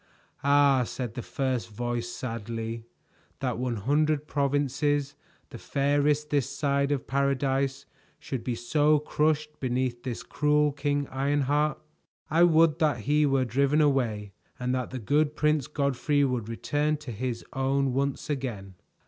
"Ah," said the first voice sadly, "that one hundred provinces, the fairest this side of Paradise, should be so crushed beneath this cruel King Ironheart! I would that he were driven away, and that the good Prince Godfrey would return to his own once again."